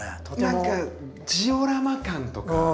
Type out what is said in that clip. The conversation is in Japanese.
何かジオラマ感とか。